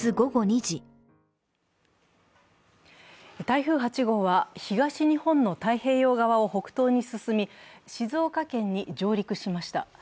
台風８号は東日本の太平洋側を北東に進み、静岡県に上陸しました。